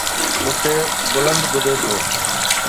مون کي بلند ٻڌي ٿو